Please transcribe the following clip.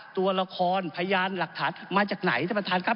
ตัวละครพยานหลักฐานมาจากไหนท่านประธานครับ